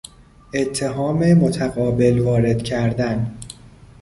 اتهام متقابل وارد کردن